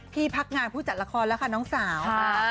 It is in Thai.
พี่พักงานผู้จัดละครแล้วค่ะน้องสาว